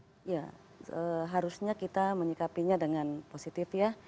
ya harusnya kita menyikapinya dengan positif ya